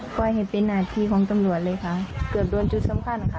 ก็เห็นเป็นหน้าที่ของตำรวจเลยค่ะเกือบโดนจุดสำคัญค่ะ